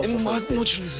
もちろんです。